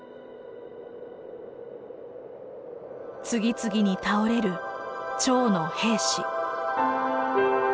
次々に倒れる趙の兵士。